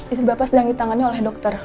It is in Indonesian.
istri bapak sedangi tangannya oleh dokter